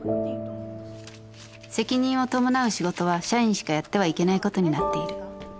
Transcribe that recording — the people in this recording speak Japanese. ［責任を伴う仕事は社員しかやってはいけないことになっている］